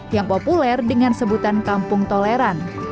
yang populer dengan sebutan kampung toleran